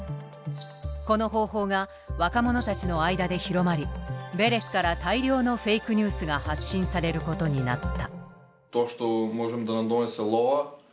この方法が若者たちの間で広まりヴェレスから大量のフェイクニュースが発信されることになった。